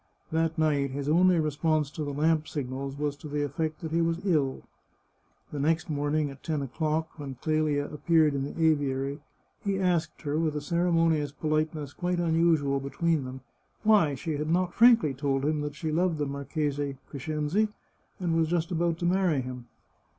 That night, his only response to the lamp signals was to the effect that he was ill. The next morning, at ten o'clock, when Clelia appeared in the aviary, he asked her, with a ceremoni ous politeness quite unusual between them, why she had not frankly told him that she loved the Marchese Crescenzi, and was just about to marry him.